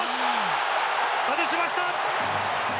外しました。